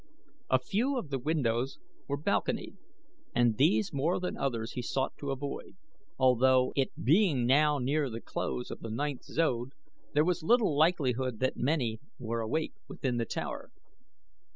A few of the windows were balconied, and these more than the others he sought to avoid, although, it being now near the close of the ninth zode, there was little likelihood that many were awake within the tower.